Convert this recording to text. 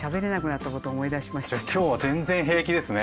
じゃあ今日は全然平気ですね。